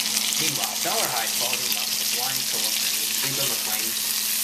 Meanwhile, Dolarhyde falls in love with a blind coworker named Reba McClane.